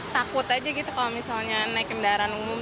takut aja gitu kalau misalnya naik kendaraan umum